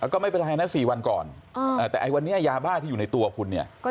ก็ไม่เป็นไรนะ๔วันก่อนแต่ไอ้วันนี้ยาบ้าที่อยู่ในตัวคุณเนี่ย